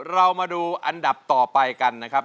เรามาดูอันดับต่อไปกันนะครับ